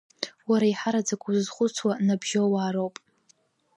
Уара еиҳараӡак узызхәыцуа набжьоуаа роуп…